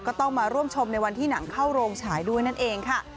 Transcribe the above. ก็ต้องมาร่วมชมในวันที่หนังเข้าโรงฉายด้วยนั่นเองค่ะ